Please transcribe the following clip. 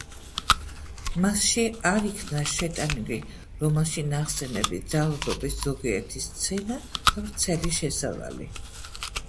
მასში არ იქნა შეტანილი რომანში ნახსენები ძალადობის ზოგიერთი სცენა და ვრცელი შესავალი.